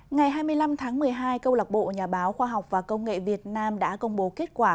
ngày hai mươi năm tháng một mươi hai câu lạc bộ nhà báo khoa học và công nghệ việt nam đã công bố kết quả